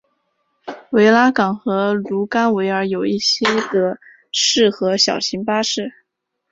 维拉港和卢甘维尔有一些的士和小型巴士。